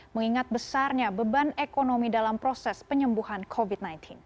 mengingat besarnya beban ekonomi dalam proses penyembuhan covid sembilan belas